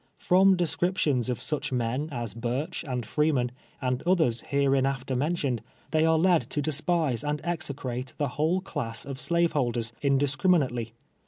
From descriptions of such men aslhirch and Freeman, and othei's hereinaiter mentioned, they are led to de spise and execrate the whole class of slaveholders, in discriminately.